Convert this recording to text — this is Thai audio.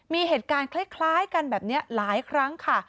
มีเหตุการณ์คล้ายกันแบบนี้หลายครั้งค่ะ